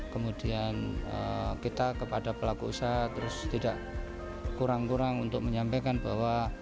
kemudian kita kepada pelaku usaha terus tidak kurang kurang untuk menyampaikan bahwa